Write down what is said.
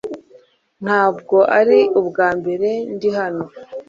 ntabwo aribwo bwa mbere ndi hano